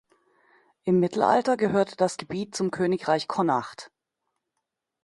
Im Mittelalter gehörte das Gebiet zum Königreich Connacht.